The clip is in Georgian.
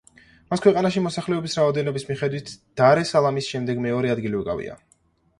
მას ქვეყანაში მოსახლეობის რაოდენობის მიხედვით დარ-ეს-სალამის შემდეგ მეორე ადგილი უკავია.